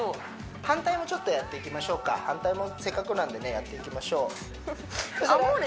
反対もちょっとやっていきましょうか反対もせっかくなんでねやっていきましょうアモーレ